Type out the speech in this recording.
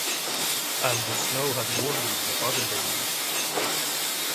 And the snow had warned me of other dangers.